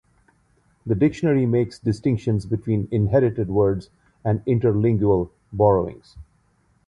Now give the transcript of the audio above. The dictionary makes distinctions between inherited words and interlingual borrowings.